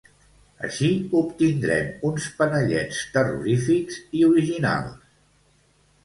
Així, obtindrem uns panellets terrorífics i originals.